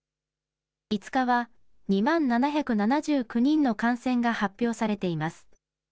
５日は２万７７９人の感染が発表されています。